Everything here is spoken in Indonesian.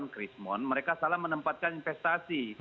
krismon mereka salah menempatkan investasi